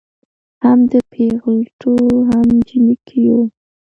هم د پېغلوټو هم جینکیو